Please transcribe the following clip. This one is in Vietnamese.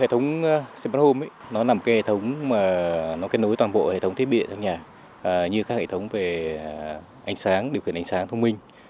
hệ thống sempat home kết nối toàn bộ hệ thống thiết bị trong nhà như các hệ thống về ánh sáng điều khiển ánh sáng thông minh